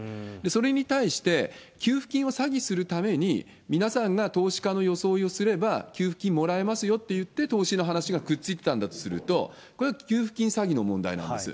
それに対して、給付金を詐欺するために、皆さんが投資家の装いをすれば給付金もらえますよと言って投資の話がくっついたんだとすると、これは給付金詐欺の問題なんです。